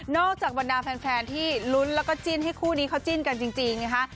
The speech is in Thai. จากบรรดาแฟนที่ลุ้นแล้วก็จิ้นให้คู่นี้เขาจิ้นกันจริงนะคะ